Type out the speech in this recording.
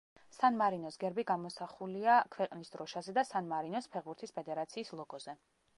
სან-მარინოს გერბი გამოსახულია ქვეყნის დროშაზე და სან-მარინოს ფეხბურთის ფედერაციის ლოგოზე.